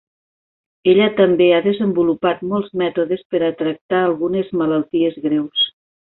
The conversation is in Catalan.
Ella també ha desenvolupat molts mètodes per a tractar algunes malalties greus.